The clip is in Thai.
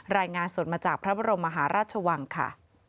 รายงานสดมาจากพระบรมมหาราชวังค่ะ